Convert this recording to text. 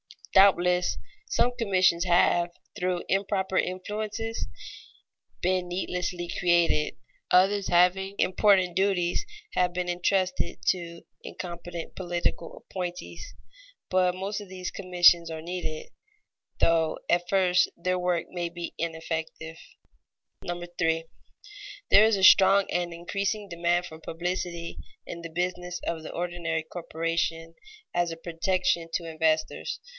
Doubtless some commissions have, through improper influences, been needlessly created; others having important duties have been intrusted to incompetent political appointees. But most of these commissions are needed, though at first their work may be ineffective. [Sidenote: Helplessness of the small investor] 3. _There is a strong and increasing demand for publicity in the business of the ordinary corporation, as a protection to investors.